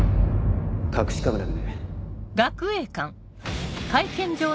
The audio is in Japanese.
隠しカメラでね。